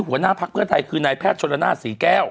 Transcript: หัวหน้าพรรคเพื่อไทยคือไนท์โชธนาศ์ศรีแก้ว